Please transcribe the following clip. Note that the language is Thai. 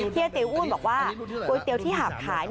เฮียติอ้วนบอกว่าก๋วยเตี๋ยวที่หาบขาย